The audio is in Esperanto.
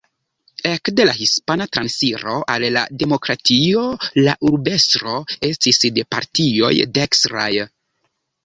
Ekde la Hispana transiro al la demokratio la urbestro estis de partioj dekstraj.